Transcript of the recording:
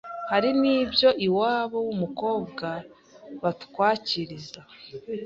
” ”hari n’ibyo iwabo w’umukobwa batwakiriza